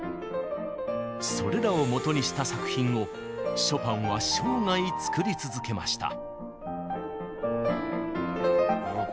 それらをもとにした作品をショパンは生涯作り続けました。